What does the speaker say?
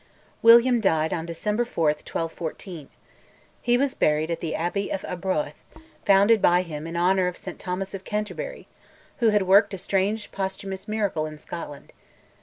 William died on December 4, 1214. He was buried at the Abbey of Arbroath, founded by him in honour of St Thomas of Canterbury, who had worked a strange posthumous miracle in Scotland.